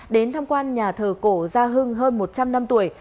đến tham quan nhà thờ cổ gia hưng hơn một trăm linh năm tuổi